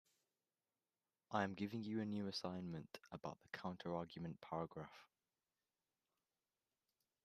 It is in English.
I am giving you a new assignment about the counterargument paragraph.